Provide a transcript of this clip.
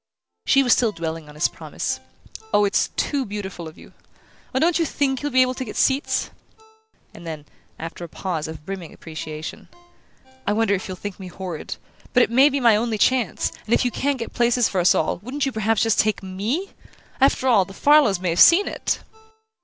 She was still dwelling on his promise, "It's too beautiful of you! Oh, don't you THINK you'll be able to get seats?" And then, after a pause of brimming appreciation: "I wonder if you'll think me horrid? but it may be my only chance; and if you can't get places for us all, wouldn't you perhaps just take ME? After all, the Farlows may have seen it!"